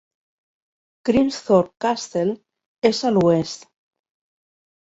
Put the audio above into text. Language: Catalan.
Grimsthorpe Castle és a l'oest.